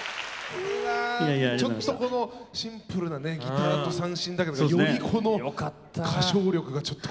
いやちょっとこのシンプルなねギターと三線だけでよりこの歌唱力がちょっと響き渡る。